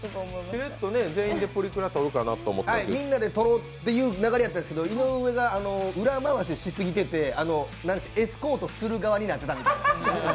しれっと全員でプリクラ撮るかなって感じだったんですけどみんなで撮ろうという流れやったんですけど井上が裏回ししすぎてて、エスコートする側になってた。